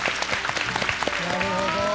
なるほど。